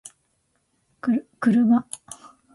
kuruma